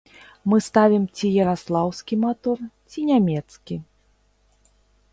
Мы ставім ці яраслаўскі матор, ці нямецкі.